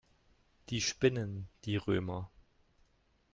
Die spinnen, die Römer.